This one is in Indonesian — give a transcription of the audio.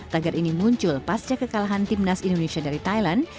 tagar ini muncul pasca kekalahan timnas indonesia dari thailand